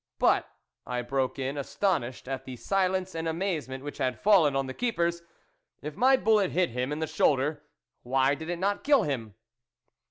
"But," I broke in, astonished at the silence and amazement which had fallen on the keepers, " if my bullet hit him in the shoulder, why did it not kill him